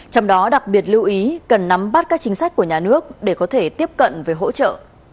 trong đó đặc biệt lưu ý cần nắm bắt các chính sách của nhà nước để có thể tiếp cận với hỗ trợ